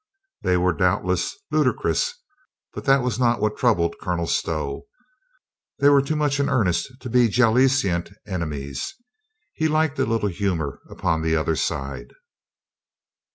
They were doubtless ludi crous, but that was not what troubled Colonel Stow. They were too much in earnest to be jaleasant ene mies. He liked a little humor upon the other side.